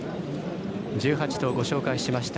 １８頭、ご紹介しました。